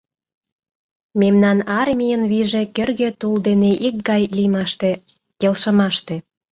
Мемнан армийын вийже кӧргӧ тул дене икгай лиймаште, келшымаште.